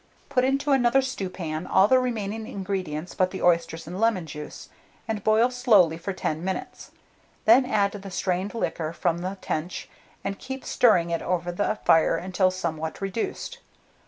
Put into another stewpan all the remaining ingredients but the oysters and lemon juice, and boil slowly for 10 minutes, when add the strained liquor from the tench, and keep stirring it over the fire until somewhat reduced.